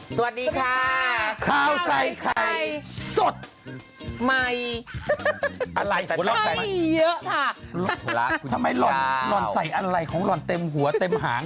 สวัสดีค่ะข้าวใส่ไข่สดใหม่อะไรมีเยอะค่ะทำไมหล่อนหล่อนใส่อะไรของหล่อนเต็มหัวเต็มหาง